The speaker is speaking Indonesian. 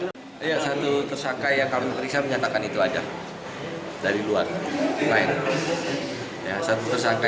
tahu ya pak siapa yang akan menang untuk mendapatkan keuntungan